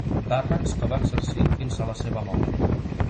Càrrecs que va exercir fins a la seva mort.